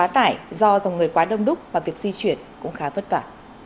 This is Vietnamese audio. tải do dòng người quá đông đúc và việc di chuyển cũng khá vất vả